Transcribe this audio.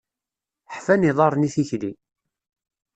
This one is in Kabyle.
Ḥfan iḍarren i tikli.